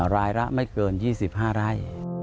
รายละไม่เกิน๒๕ไร่